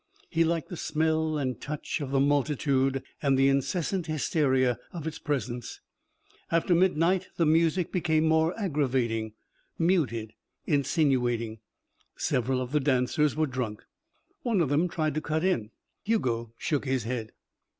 He liked the smell and touch of the multitude and the incessant hysteria of its presence. After midnight the music became more aggravating muted, insinuating. Several of the dancers were drunk. One of them tried to cut in. Hugo shook his head.